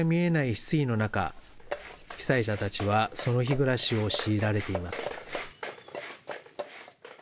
失意の中、被災者たちはその日暮らしを強いられています。